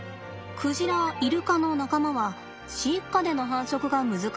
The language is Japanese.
クジライルカの仲間は飼育下での繁殖が難しいんですって。